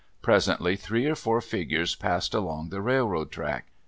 Presently, three or four figures passed along the railroad track.